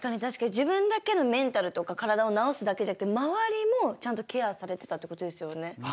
自分だけのメンタルとか体を治すだけじゃなくて周りもちゃんとケアされてたってことですよね。